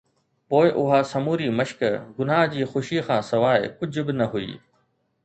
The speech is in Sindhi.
پوءِ اها سموري مشق گناهه جي خوشي کان سواءِ ڪجهه به نه هئي.